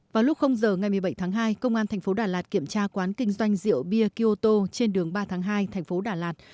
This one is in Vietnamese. vào lúc giờ ngày một mươi bảy tháng hai công an thành phố đà lạt kiểm tra quán kinh doanh rượu bia kyoto trên đường ba tháng hai thành phố đà lạt